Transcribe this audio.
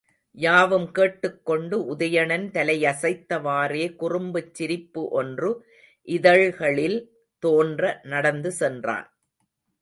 யாவும் கேட்டுக்கொண்டு உதயணன் தலையசைத்தவாறே குறும்புச் சிரிப்பு ஒன்று இதழ்களில் தோன்ற நடந்து சென்றான்.